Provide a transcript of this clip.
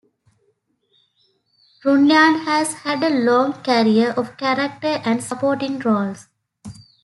Runyan has had a long career of character and supporting roles.